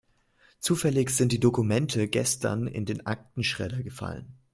Zufällig sind die Dokumente gestern in den Aktenschredder gefallen.